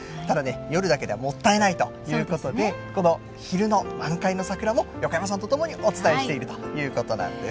夜だけではもったいないということでこの昼の満開の桜も横山さんとともにお伝えしているということなんです。